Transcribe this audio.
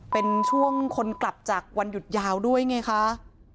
เป็นช่วงคนกลับจากวันหยุดยาวด้วยไงคะ